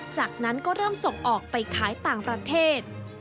จากนั้นก็เริ่มส่งออกไปขายต่างประเทศ